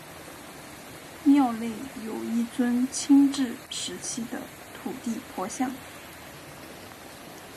庙内有一尊清治时期的土地婆像。